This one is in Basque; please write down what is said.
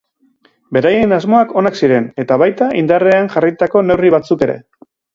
Beraien asmoak onak ziren eta baita indarrean jarritako neurri batzuk ere.